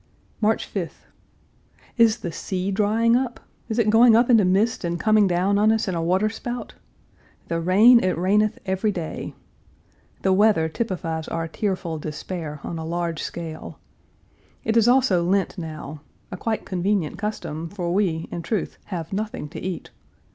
March 5th. Is the sea drying up? Is it going up into mist and coming down on us in a water spout? The rain, it raineth every day. The weather typifies our tearful despair, on a large scale. It is also Lent now a quite convenient custom, for we, in truth, have nothing to eat.